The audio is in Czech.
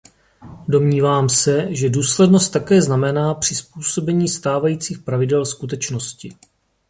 Domnívám se, že důslednost také znamená přizpůsobení stávajících pravidel skutečnosti.